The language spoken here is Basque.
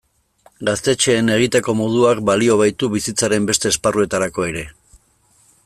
Gaztetxeen egiteko moduak balio baitu bizitzaren beste esparruetarako ere.